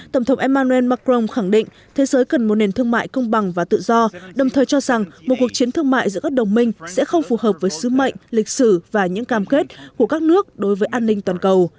tổng thống emmanuel macron khẳng định thế giới cần một nền thương mại công bằng và tự do đồng thời cho rằng một cuộc chiến thương mại giữa các đồng minh sẽ không phù hợp với sứ mệnh lịch sử và những cam kết của các nước đối với an ninh toàn cầu